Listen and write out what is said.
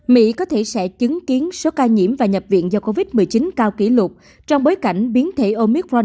mỹ có thể sẽ chứng kiến số ca nhiễm và nhập viện do covid một mươi chín cao kỷ lục trong bối cảnh biến thể omicron